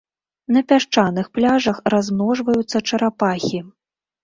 На пясчаных пляжах размножваюцца чарапахі.